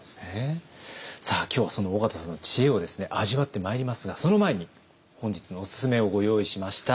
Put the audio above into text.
さあ今日はその緒方さんの知恵を味わってまいりますがその前に本日のおすすめをご用意しました。